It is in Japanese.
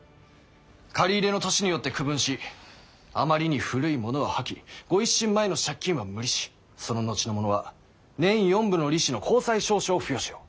借り入れの年によって区分しあまりに古いものは破棄御一新前の借金は無利子その後のものは年４分の利子の公債証書を付与しよう。